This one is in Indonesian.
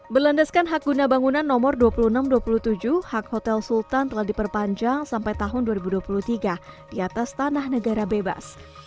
berlandaskan hak guna bangunan nomor dua puluh enam dua puluh tujuh hak hotel sultan telah diperpanjang sampai tahun dua ribu dua puluh tiga di atas tanah negara bebas